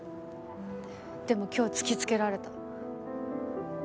でも今日突きつけられた。